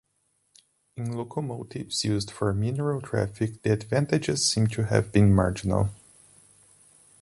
In locomotives used for mineral traffic the advantages seem to have been marginal.